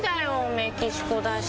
メキシコだし。